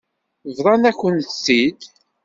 Bḍan-akent-tt-id.